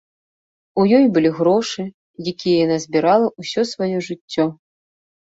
У ёй былі грошы, якія яна збірала ўсё сваё жыццё.